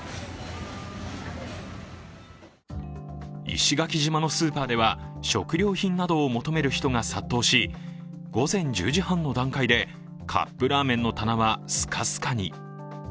石垣島のスーパーでは食料品などを求める人が殺到し、午前１０時半の段階でカップラーメンの棚はスカスカに。